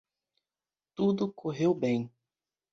Tudo correu bem.